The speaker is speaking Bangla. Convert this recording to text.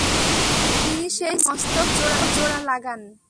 তিনি সেই ছিন্ন মস্তক জোড়া লাগান।